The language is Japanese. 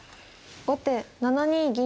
後手７ニ銀。